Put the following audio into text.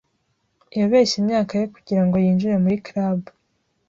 Yabeshye imyaka ye kugirango yinjire muri club.